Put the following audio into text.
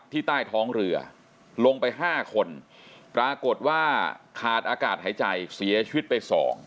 ใต้ท้องเรือลงไป๕คนปรากฏว่าขาดอากาศหายใจเสียชีวิตไป๒